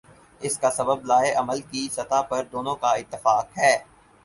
اس کا سبب لائحہ عمل کی سطح پر دونوں کا اتفاق ہے۔